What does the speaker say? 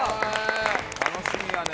「楽しみだね」